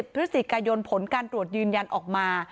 พฤศจิกายนผลการตรวจยืนยันออกมา